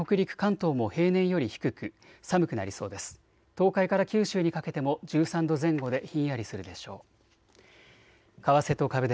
東海から九州にかけても１３度前後でひんやりするでしょう。